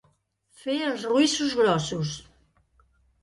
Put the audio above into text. Fer els roïssos grossos.